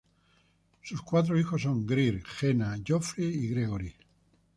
Sus cuatro hijos son Greer, Jena, Geoffrey y Gregory.